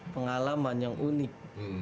pengalaman yang unik